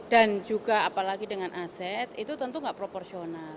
dan juga apalagi dengan aset itu tentu nggak proporsional